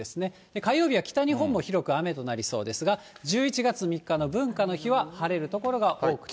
火曜日は北日本も広く雨となりそうですが、１１月３日の文化の日は晴れる所が多くて。